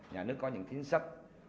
nhà nước có những kiến sách